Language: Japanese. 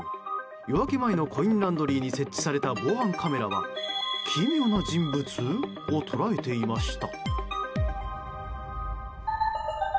夜明け前のコインランドリーに設置された防犯カメラは奇妙な人物？を捉えていました。